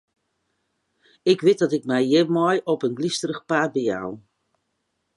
Ik wit dat ik my hjirmei op in glysterich paad bejou.